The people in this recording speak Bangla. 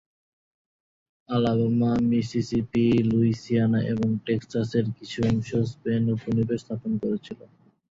আলাবামা, মিসিসিপি, লুইসিয়ানা এবং টেক্সাস এর কিছু অংশেও স্পেন উপনিবেশ স্থাপন করেছিল।